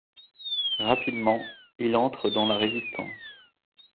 Rapidement, il entre dans la Résistance.